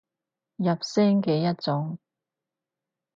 入聲嘅一種